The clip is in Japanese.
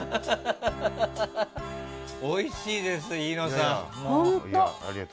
おいしいです、飯野さん。